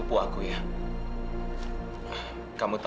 uf sobat jangan lupa